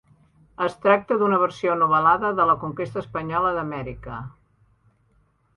Es tracta d'una versió novel·lada de la conquesta espanyola d'Amèrica.